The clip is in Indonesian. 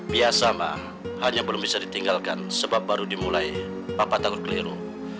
biasa mbak hanya belum bisa ditinggalkan sebab baru dimulai bapak takut keliru